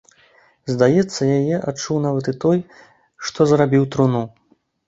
Здаецца, яе адчуў нават і той, што зрабіў труну.